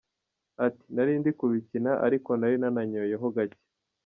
Ati: “Narindi kubikina ariko nari nananyoyeho gake.